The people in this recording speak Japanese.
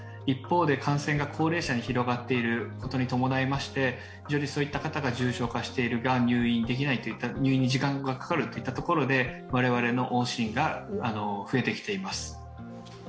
一方で感染が高齢者に広がっていることに伴いましてそういった方が重症化しているが、入院に時間がかかるといったところで、我々の往診が増えてきています。